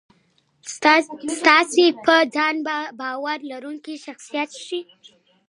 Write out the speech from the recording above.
ستاسې په ځان باور لرونکی شخصیت ښي.